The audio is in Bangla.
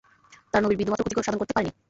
তারা নবীর বিন্দুমাত্র ক্ষতি সাধন করতে পারেনি।